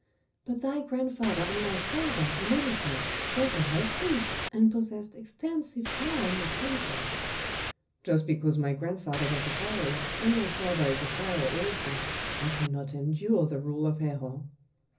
"But thy grandfather and my father, Amenhôtep, was a high priest, and possessed extensive power in this country." "Just because my grandfather was a pharaoh, and my father is a pharaoh also, I cannot endure the rule of Herhor."